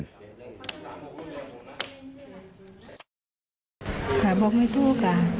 แต่บอกไม่ถูกอะ